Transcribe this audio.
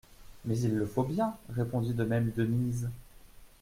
Mais il le faut bien, répondit de même Denise.